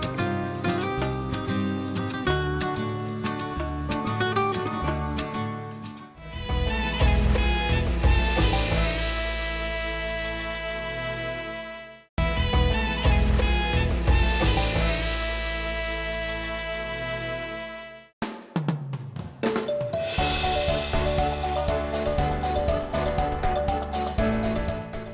ketika kita menang events ketika wordt aniang